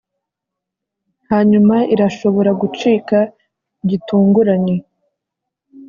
hanyuma, irashobora gucika gitunguranye.